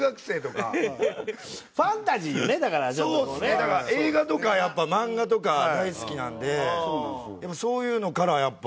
だから映画とかやっぱ漫画とか大好きなんでそういうのからやっぱ。